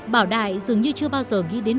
bảo đại dường như chưa bao giờ nghĩ đến